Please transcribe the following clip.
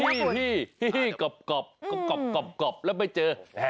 เฮ้ยกรอบแล้วไม่เจอ